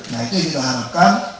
nah itu yang kita harapkan